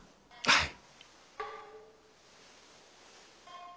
はい。